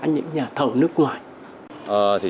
như là các nhà thầu nước ngoài